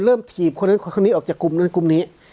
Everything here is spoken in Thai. เริ่มทีบนี้คนนั้นออกจากกลุ่มนี้